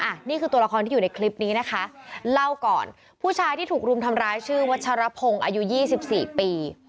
นี่คือตัวละครที่อยู่ในคลิปนี้นะคะเล่าก่อนผู้ชายที่ถูกรุมทำร้ายชื่อวัชรพงศ์อายุยี่สิบสี่ปี